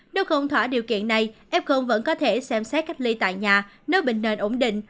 nếu không thỏa điều kiện này f vẫn có thể xem xét cách ly tại nhà nếu bệnh nền ổn định